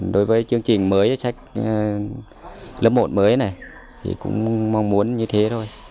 đối với chương trình mới sách lớp một mới này thì cũng mong muốn như thế thôi